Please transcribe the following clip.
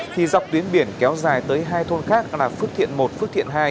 thì dọc tuyến biển kéo dài tới hai thôn khác là phước thiện một phước thiện hai